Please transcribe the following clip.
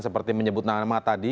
seperti menyebut nama nama tadi